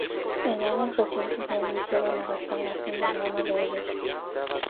En años recientes, se ha iniciado la restauración de algunos de ellos.